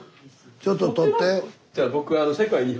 ちょっと撮って。